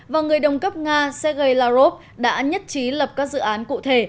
và người đồng cấp nga sergei lavrov đã nhất trí lập các dự án cụ thể